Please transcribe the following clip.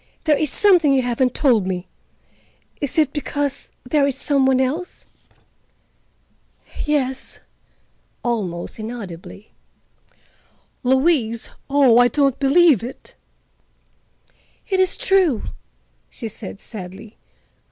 There is something you haven't told me. Is it—because there is some one else?" "Yes," almost inaudibly. "Louise! Oh, I don't believe it." "It is true," she said sadly.